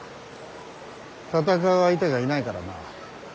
戦う相手がいないからな。